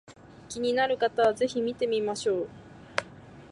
気になる方は是非見てみましょう